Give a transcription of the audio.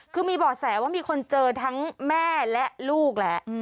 คือมีบ่อแสว่ามีคนเจอทั้งแม่และลูกแหละ